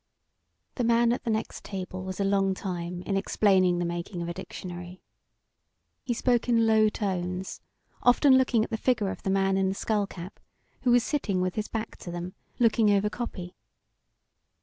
The man at the next table was a long time in explaining the making of a dictionary. He spoke in low tones, often looking at the figure of the man in the skull cap, who was sitting with his back to them, looking over copy.